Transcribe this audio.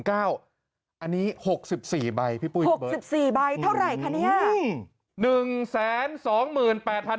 อันนี้๖๔ใบพี่ปุ้ย๑๔ใบเท่าไหร่คะเนี่ย